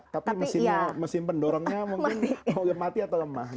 tapi mesin pendorongnya mungkin mati atau lemah